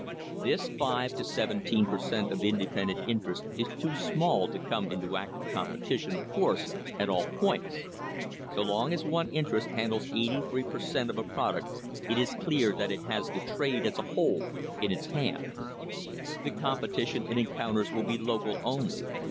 This five to seventeen per cent, of independent interest is too small to come into active competition, of course, at all points. So long as one interest handles eighty three per cent, of a product it is clear that it has the trade as a whole in its hands. The competition it encounters will be local only.